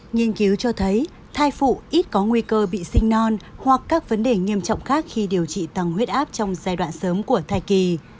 nghiên cứu cho thấy thai phụ ít có nguy cơ bị sinh non hoặc các vấn đề nghiêm trọng khác khi điều trị tăng huyết áp trong giai đoạn sớm của thai kỳ